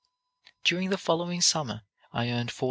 "During the following summer I earned $40.